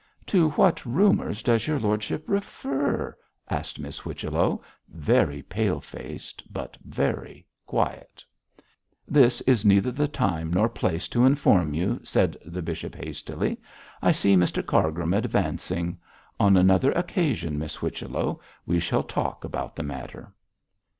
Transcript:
'To what rumours does your lordship refer?' asked Miss Whichello, very pale faced, but very quiet. 'This is neither the time nor place to inform you,' said the bishop, hastily; 'I see Mr Cargrim advancing. On another occasion, Miss Whichello, we shall talk about the matter.'